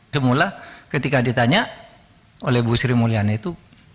semula ketika ditanya oleh bu sri mulyani itu